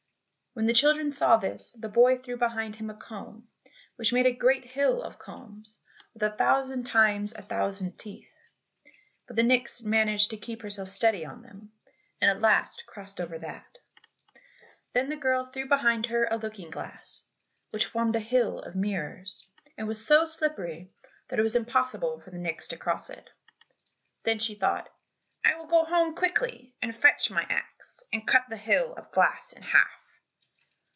When the children saw this, the boy threw behind him a comb which made a great hill of combs with a thousand times a thousand teeth, but the nix managed to keep herself steady on them, and at last crossed over that. Then the girl threw behind her a looking glass which formed a hill of mirrors, and was so slippery that it was impossible for the nix to cross it. Then she thought, "I will go home quickly and fetch my axe, and cut the hill of glass in half."